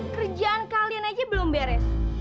kerjaan kalian aja belum beres